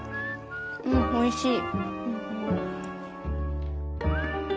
うんおいしい。